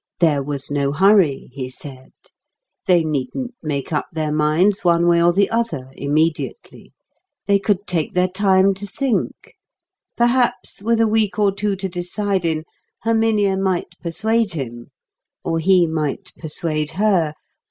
There was no hurry, he said. They needn't make up their minds, one way or the other, immediately. They could take their time to think. Perhaps, with a week or two to decide in, Herminia might persuade him; or he might persuade her.